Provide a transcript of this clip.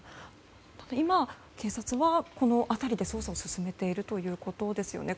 今、警察はこの辺りで捜査を進めているということですよね。